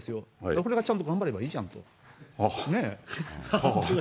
これからちゃんと頑張ればいいじゃんと。